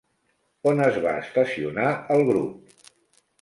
On es va estacionar el grup?